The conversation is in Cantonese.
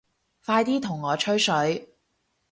快啲同我吹水